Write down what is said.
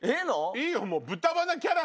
いいよもう。